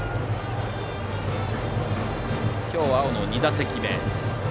今日、青野は２打席目。